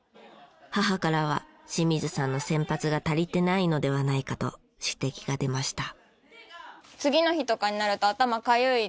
母からは清水さんの洗髪が足りていないのではないかと指摘が出ました。